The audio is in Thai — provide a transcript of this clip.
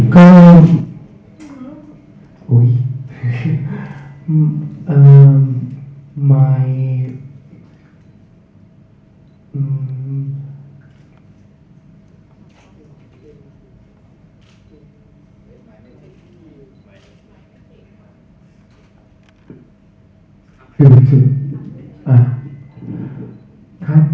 คุณดูแลตัวเองได้แล้ว